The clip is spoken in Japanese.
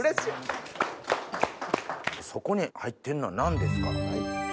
そこに入ってんのは何ですか？